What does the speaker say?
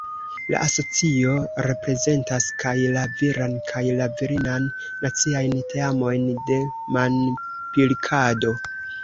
La asocio reprezentas kaj la viran kaj la virinan naciajn teamojn de manpilkado.